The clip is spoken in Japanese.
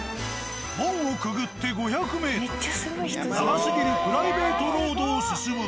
門をくぐって５００ｍ長すぎるプライベートロードを進むと。